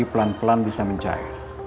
pelan pelan bisa mencair